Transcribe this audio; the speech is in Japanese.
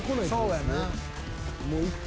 そうやな。